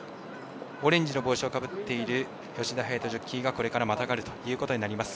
オレンジの帽子をかぶっている吉田隼人ジョッキーがこれから、またがるということになります。